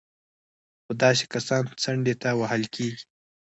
خو داسې کسان څنډې ته وهل کېږي